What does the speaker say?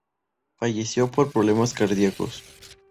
Falleció por problemas cardíacos.